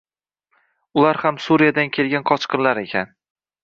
Ular ham Suriyadan kelgan qochqinlar ekan.